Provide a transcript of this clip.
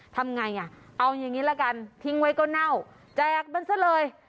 ทำอย่างไรเอายังนี้แล้วกันทิ้งไว้ก็เน่าแจกมันซะเลย